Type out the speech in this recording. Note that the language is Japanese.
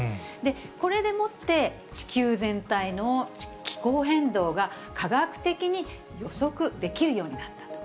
これでもって地球全体の気候変動が科学的に予測できるようになったと。